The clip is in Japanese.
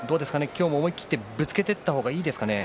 今日も思い切ってぶつけていった方がいいですかね。